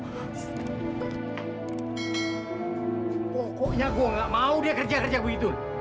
hai hai koknya gue nggak mau dia kerja kerja developed